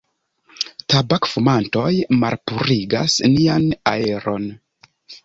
Tabak-fumantoj malpurigas nian aeron.